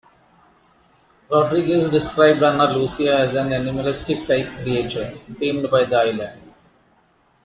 Rodriguez described Ana Lucia as an animalistic type creature... tamed by the Island.